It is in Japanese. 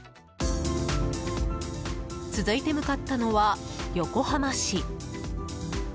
続いて向かったのは横浜市。